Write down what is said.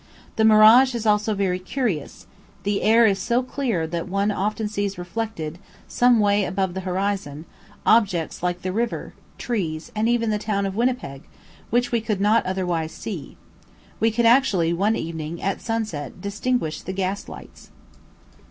The mirage is also very curious; the air is so clear that one often sees reflected, some way above the horizon, objects like the river, trees, and even the town of Winnipeg, which we could not otherwise see; we could actually one evening, at sunset, distinguish the gas lights.